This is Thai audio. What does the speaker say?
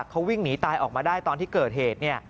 เขาวิ่งหนีตายออกมาได้ตอนที่เกิดเหตุ